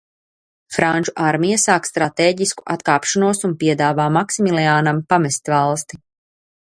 Franču armija sāk stratēģisku atkāpšanos un piedāvā Maksimiliānam pamest valsti.